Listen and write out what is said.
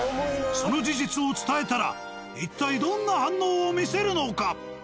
その事実を伝えたら一体どんな反応を見せるのか？